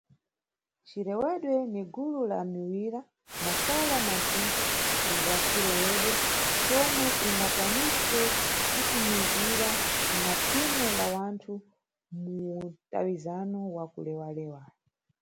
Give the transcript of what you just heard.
Cikewedwe ni gulu la miwira, mafala na mthetho wa cirewedwe comwe ungakwanise kutumikira na thimu la wanthu mu mtawizano wa kulewalewa.